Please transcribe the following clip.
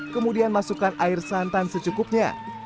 kemudian masukkan air santan secukupnya